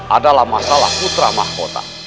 adalah masalah putra mahkota